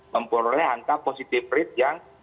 memperoleh angka positive rate yang